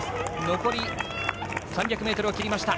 残り３００ｍを切りました。